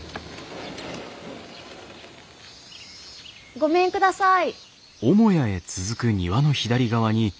ごめんください。